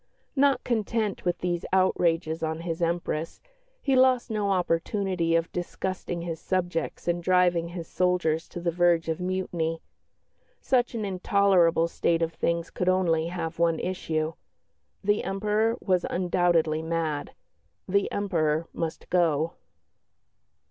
Not content with these outrages on his Empress, he lost no opportunity of disgusting his subjects and driving his soldiers to the verge of mutiny. Such an intolerable state of things could only have one issue. The Emperor was undoubtedly mad; the Emperor must go.